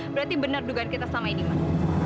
berarti benar dugaan kita sama ediman